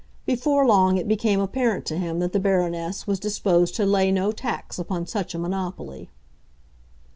Before long it became apparent to him that the Baroness was disposed to lay no tax upon such a monopoly.